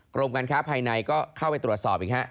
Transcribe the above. กรมการค้าภายในก็เข้าไปตรวจสอบอีกฮะ